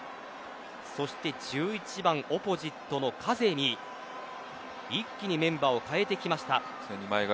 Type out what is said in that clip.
そして１１番オポジットのカゼミ一気にメンバーを代えてきました。